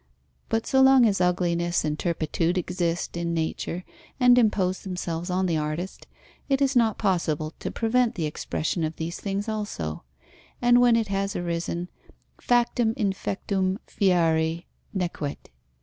But so long as ugliness and turpitude exist in nature and impose themselves on the artist, it is not possible to prevent the expression of these things also; and when it has arisen, factum infectum fieri nequit.